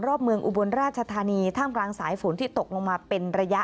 รอบเมืองอุบลราชธานีท่ามกลางสายฝนที่ตกลงมาเป็นระยะ